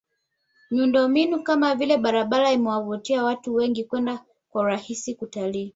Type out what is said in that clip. Miundombinu kama vile barabara imewavutia watu wengi kwenda kwa urahisi kutalii